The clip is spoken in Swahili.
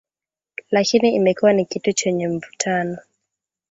Lakini imekuwa ni kitu chenye mvutano